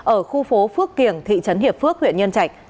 ở khu phố phước kiểng thị trấn hiệp phước huyện nhân trạch